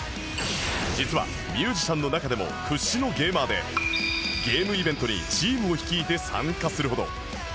実はミュージシャンの中でも屈指のゲーマーでゲームイベントにチームを率いて参加するほど